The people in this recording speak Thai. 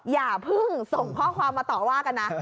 อย่าเพิ่งส่งข้อความมาต่อว่ากันนะ